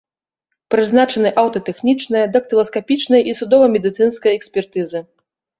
Прызначаны аўтатэхнічная, дактыласкапічная і судова-медыцынская экспертызы.